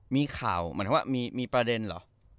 มีข่าวเหมือนว่ามีประเด็นเหรอ